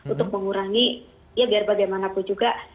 untuk mengurangi ya biar bagaimana pun juga